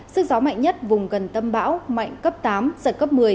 tại nhất vùng gần tâm bão mạnh cấp tám giật cấp một mươi